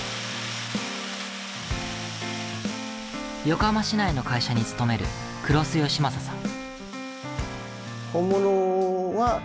横浜市内の会社に勤める黒須由雅さん。